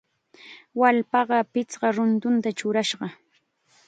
Wallpaqa pichqa rurutam churashqa.